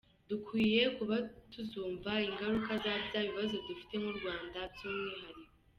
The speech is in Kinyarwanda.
Dukwiye kuba tuzumva, ingaruka za bya bibazo dufite nk’u Rwanda by’umwihariko.